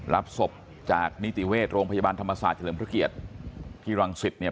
รับศพจากนิติเวชโรงพยาบาลธรรมศาสตร์เฉลิมพระเกียรติที่รังสิตเนี่ย